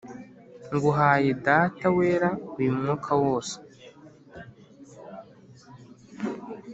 nguhaye, data wera, uyu mwaka wose,